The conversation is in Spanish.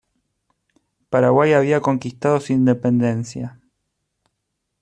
Paraguay había conquistado su independencia.